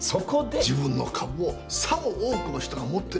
自分の株をさも多くの人が持ってるように偽装した。